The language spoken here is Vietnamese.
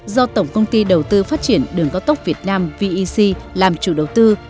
do tổng công ty đầu tư phát triển đường cao tốc việt nam vec làm chủ đầu tư